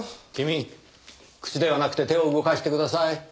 君口ではなくて手を動かしてください。